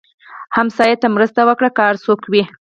ګاونډي ته مرسته وکړه، که هر څوک وي